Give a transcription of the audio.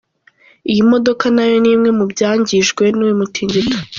Iyi modoka nayo n'imwe mu byangijwe n'uyu mutingito.